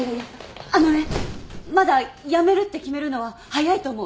あのねまだやめるって決めるのは早いと思う。